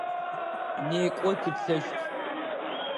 Некӏо тыплъэщт!